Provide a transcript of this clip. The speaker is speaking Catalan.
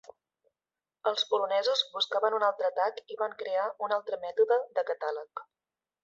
Els polonesos buscaven un altre atac i van crear un altre mètode de catàleg.